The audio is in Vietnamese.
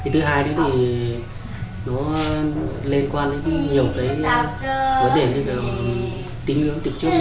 thứ hai nó liên quan đến nhiều vấn đề tính ứng từ trước